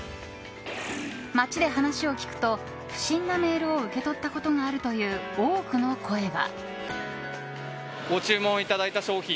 街で話を聞くと、不審なメールを受け取ったことがあるという多くの声が。